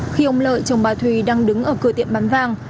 khi ông lợi chồng bà thùy đang đứng ở cửa tiệm bán vàng